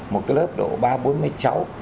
một cái lớp độ ba bốn mấy cháu